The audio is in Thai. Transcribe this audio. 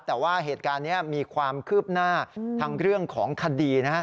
แต่ว่าเหตุการณ์นี้มีความคืบหน้าทางเรื่องของคดีนะฮะ